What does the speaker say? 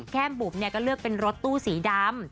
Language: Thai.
แก้มบุ๋มเนี่ยก็เลือกเป็นรถตู้สีดำ